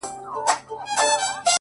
o ه ياره کندهار نه پرېږدم؛